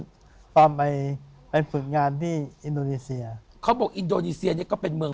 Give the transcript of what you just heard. ตอนไปไปฝึกงานที่อินโดนีเซียเขาบอกอินโดนีเซียนี่ก็เป็นเมือง